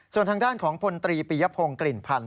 ส่วนทางด้านของพลตรีปียพงศ์กลิ่นพันธ